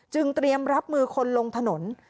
เตรียมรับมือคนลงถนน